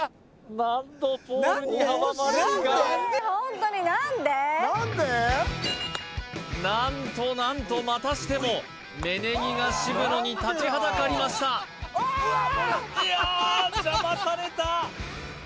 何度ポールに阻まれるか何と何とまたしても芽ネギが渋野に立ちはだかりましたいやー邪魔された！